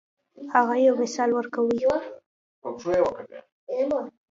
هغه یو مثال ورکوي.